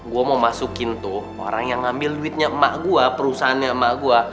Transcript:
gue mau masukin tuh orang yang ngambil duitnya emak gue perusahaannya emak gue